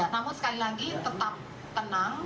namun sekali lagi tetap tenang